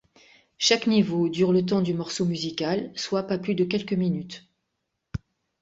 Chaque niveau dure le temps du morceau musical, soit pas plus de quelques minutes.